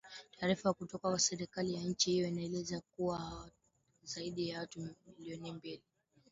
taarifa kutoka serikali ya nchi hiyo zinaeleza kuwa zaidi ya watu milioni mbili